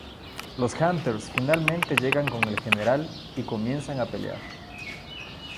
Los Hunters finalmente llegan con el General, y comienzan a pelear.